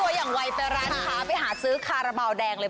อย่างไวไปร้านค้าไปหาซื้อคาราบาลแดงเลย